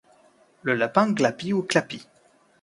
le lapin glapit ou clapit